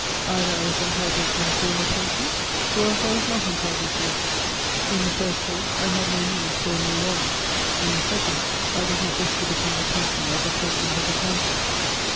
Either I was entitled to my former pension, or else I was not entitled to it: in the first case I had no need for a new warrant; in the second, I did not wish to become the pensioner of the President of the Council.